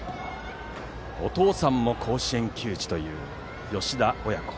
お父さんも甲子園球児という吉田親子。